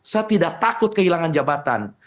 saya tidak takut kehilangan jabatan